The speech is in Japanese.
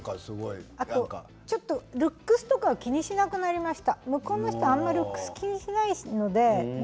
ルックスとかあまり気にしなくなりました。